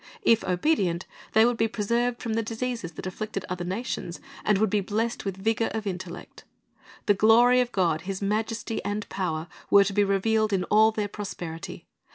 If obedient, they would be preserved from the diseases that afflicted other nations, and would be blessed with vigor of intellect. The glory of God, His majesty and power, were to be revealed in all their prosperity.